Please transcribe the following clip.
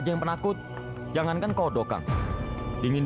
paling tidak juga haruss informasi nih